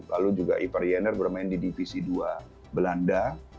lalu juga ivar jener bermain di divisi dua belanda